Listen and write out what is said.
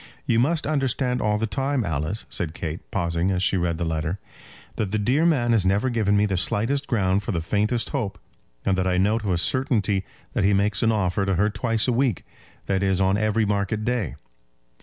"You must understand all the time, Alice," said Kate, pausing as she read the letter, "that the dear man has never given me the slightest ground for the faintest hope, and that I know to a certainty that he makes an offer to her twice a week, that is, on every market day.